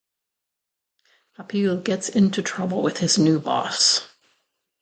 Kapil gets into trouble with his new boss.